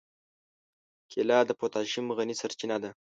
کېله د پوتاشیم غني سرچینه ده.